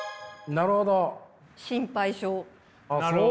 なるほどね。